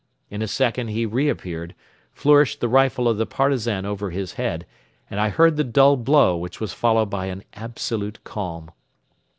In a second he re appeared, flourished the rifle of the Partisan over his head and I heard the dull blow which was followed by an absolute calm.